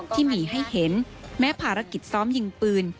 ที่มีให้เห็นแม้ภารกิจซ้อมยิงปืน